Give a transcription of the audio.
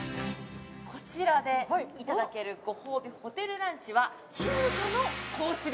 こちらでいただけるご褒美ホテルランチは中華のコース